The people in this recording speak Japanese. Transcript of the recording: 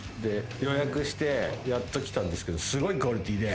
予約してやっと来たんですけどすごいクオリティーで。